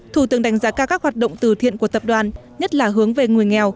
thủ tướng đánh giá cao các hoạt động từ thiện của tập đoàn nhất là hướng về người nghèo